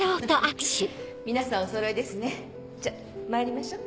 皆さんおそろいですねじゃまいりましょう。